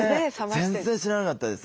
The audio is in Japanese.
全然知らなかったです。